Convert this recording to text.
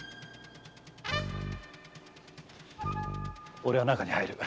おれは中に入る。